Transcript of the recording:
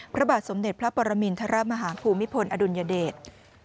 พระบาทสมเด็จพระปรมิณฑ์ธารามหาพูมิพลอดุลยาเดช